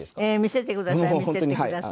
見せてください見せてください。